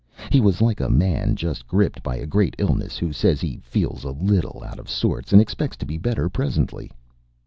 He was like a man just gripped by a great illness, who says he feels a little out of sorts, and expects to be better presently.